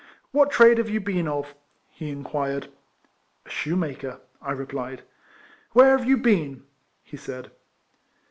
" What trade have you been of ?" he in quired. " A shoemaker," I replied. " Where have you been?" he said.